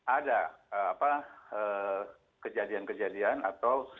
ada kejadian kejadian atau